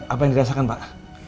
apa yang dirasakan pak